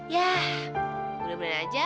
ya mudah mudahan aja